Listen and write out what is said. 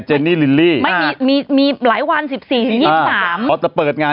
เห็นไมไหมมีเก้าก่อเบาปิดท้าย